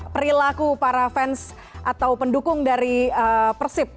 perilaku para fans atau pendukung dari persib